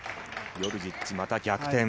ヨルジッチ、また逆転。